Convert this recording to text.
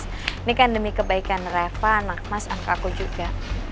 ini kan demi kebaikan reva anak mas angkaku juga